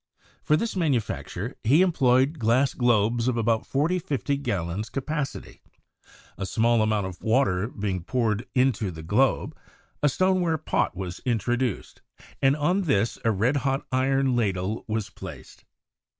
For this manufacture, he em ployed glass globes of about 40 to 50 gallons capacity; a small amount of water having been poured into the globe, a stoneware pot was introduced, and on this a red hot iron ladle was placed.